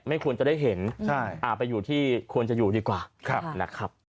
ควรจะได้เห็นไปอยู่ที่ควรจะอยู่ดีกว่านะครับ